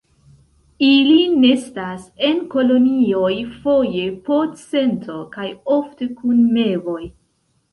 Ili nestas en kolonioj foje po cento, kaj ofte kun mevoj.